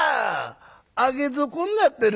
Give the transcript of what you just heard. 上げ底になってる」。